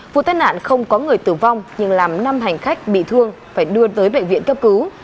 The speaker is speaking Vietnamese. vụ tai nạn không có người tử vong nhưng làm năm hành khách bị thương phải đưa tới bệnh viện cấp cứu